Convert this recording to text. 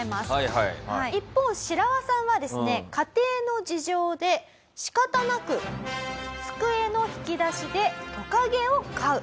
一方シラワさんはですね家庭の事情で仕方なく机の引き出しでトカゲを飼う。